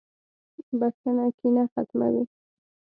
• بخښنه کینه ختموي.